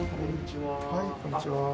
はいこんにちは。